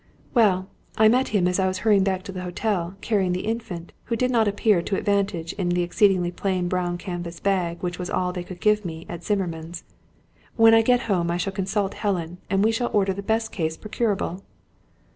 "Well, I met him as I was hurrying back to the hotel, carrying the Infant, who did not appear to advantage in the exceedingly plain brown canvas bag which was all they could give me at Zimmermann's. When I get home I shall consult Helen, and we shall order the best case procurable."